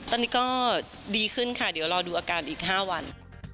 ตอนนี้ก็ดีขึ้นค่ะเดี๋ยวรอดูอาการอีก๕วัน